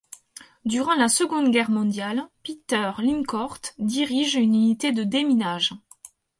Durant la seconde guerre mondiale, Peter Lyncort dirige une unité de déminage.